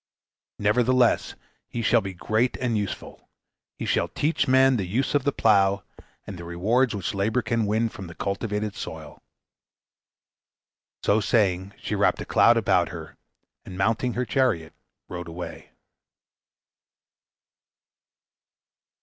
Nevertheless, he shall be great and useful. He shall teach men the use of the plough, and the rewards which labor can win from the cultivated soil." So saying, she wrapped a cloud about her, and mounting her chariot rode away.